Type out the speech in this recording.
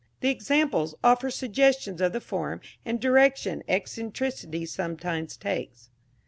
The examples offer suggestions of the form and direction eccentricity sometimes takes.